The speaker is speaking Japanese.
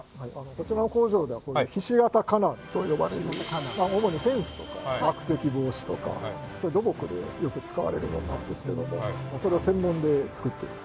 こちらの工場ではこういうひし形金網と呼ばれる主にフェンスとか落石防止とかそういう土木でよく使われるものなんですけどもそれを専門で作っている。